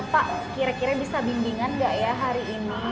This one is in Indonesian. pak kira kira bisa bimbingan nggak ya hari ini